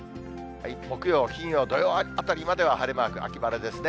木曜、金曜、土曜あたりまでは晴れマーク、秋晴れですね。